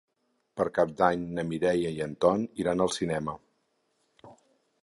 Per Cap d'Any na Mireia i en Tom iran al cinema.